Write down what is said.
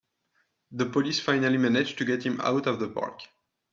The police finally manage to get him out of the park!